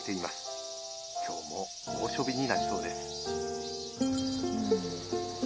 今日も猛暑日になりそうです」。